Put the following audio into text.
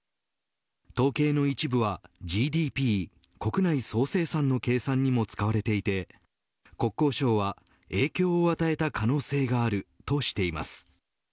統計の一部はＧＤＰ国内総生産の計算にも使われていて国交省は影響を与えた可能性があるとしています。